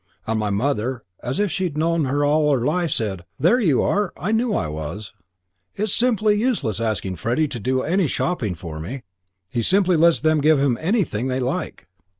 And my mother, as if she had known her all her life, said, 'There you are, I knew I was. It's simply useless asking Freddie to do any shopping for me. He simply lets them give him anything they like.'